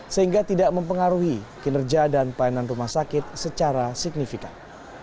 sehingga tidak mempengaruhi kinerja dan pelayanan rumah sakit secara signifikan